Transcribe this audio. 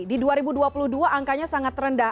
di dua ribu dua puluh dua angkanya sangat rendah